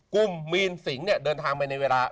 มีนสิงห์เนี่ยเดินทางไปในเวลา